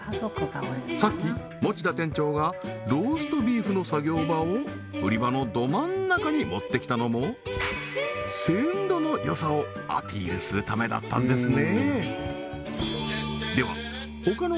さっき持田店長がローストビーフの作業場を売り場のど真ん中に持ってきたのも鮮度の良さをアピールするためだったんですね